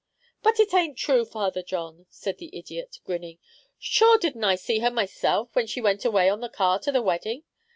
"But it aint true, Father John," said the idiot, grinning. "Shure didn't I see her myself, when she went away on the car to the wedding?"